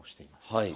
はい。